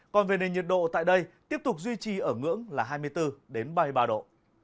còn về nền nhiệt độ tại đây tiếp tục duy trì ở ngưỡng là hai mươi bốn ba mươi ba độ